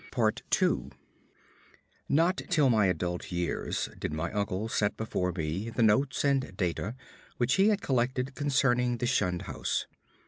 2 Not till my adult years did my uncle set before me the notes and data which he had collected concerning the shunned house.